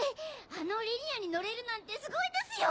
あのリニアに乗れるなんてすごいですよ！